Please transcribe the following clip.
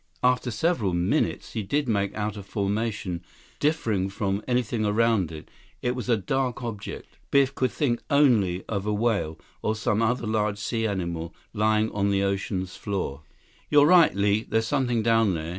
After several minutes, he did make out a formation differing from anything around it. It was a dark object. Biff could think only of a whale, or some other large sea animal, lying on the ocean's floor. 138 "You're right, Li. There's something down there."